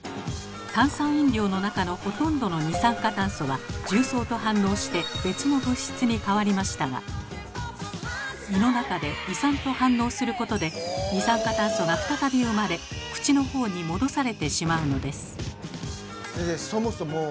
炭酸飲料の中のほとんどの二酸化炭素は重曹と反応して別の物質に変わりましたが胃の中で胃酸と反応することで二酸化炭素が再び生まれ口の方に戻されてしまうのです。